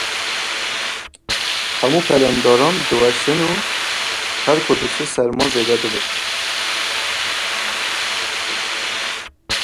Hemû pelên daran diweşin û her ku diçe serma zêde dibe.